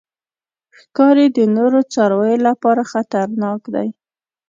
ښکاري د نورو څارویو لپاره خطرناک دی.